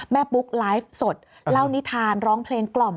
ปุ๊กไลฟ์สดเล่านิทานร้องเพลงกล่อม